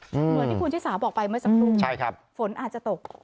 เหมือนที่คุณชิสาบอกไปไหมสามทุ่มใช่ครับฝนอาจจะตก